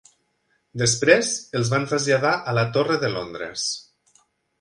Després, els van traslladar a la Torre de Londres.